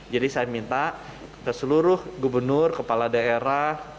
jadi saya minta seluruh gubernur kepala daerah